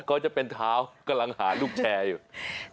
ก็จะเป็นเท้ากำลังหาลูกแชร์อยู่